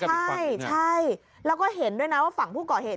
ใช่ใช่แล้วก็เห็นด้วยนะว่าฝั่งผู้ก่อเหตุ